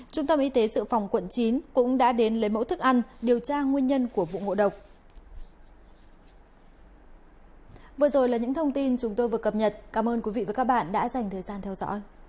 trung tâm y tế sự phòng quận chín cũng đã đến lấy mẫu thức ăn điều tra nguyên nhân của vụ ngộ độc